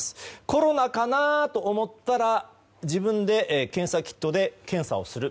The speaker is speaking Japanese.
コロナかなと思ったら自分で検査キットで検査する。